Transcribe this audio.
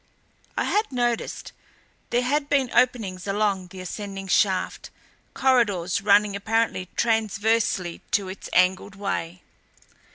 I had noticed; there had been openings along the ascending shaft; corridors running apparently transversely to its angled way.